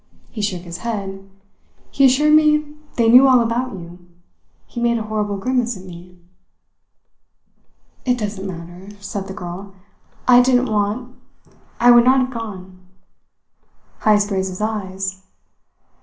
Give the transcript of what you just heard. He shook his head. He assured me they knew all about you. He made a horrible grimace at me." "It doesn't matter," said the girl. "I didn't want I would not have gone." Heyst raised his eyes.